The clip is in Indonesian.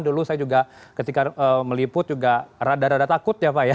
dulu saya juga ketika meliput juga rada rada takut ya pak ya